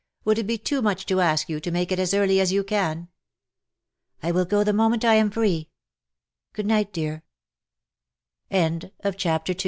^^ Would it be too much to ask you to make it as early as you can ?"" I will go the moment I am free. Good night, dear.^' 43 CHAPTER